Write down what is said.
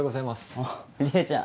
おっ梨恵ちゃん